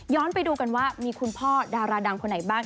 ไปดูกันว่ามีคุณพ่อดาราดังคนไหนบ้าง